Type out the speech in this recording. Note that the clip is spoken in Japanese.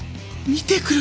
見てくる。